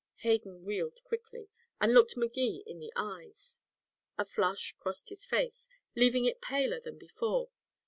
Hayden wheeled quickly, and looked Magee in the eyes. A flush crossed his face, leaving it paler than before.